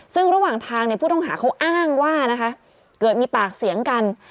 ซึ่งระหว่างทางผู้ต้องหาเขาอ้างว่านะคะเกิดมีปากเสียงกัน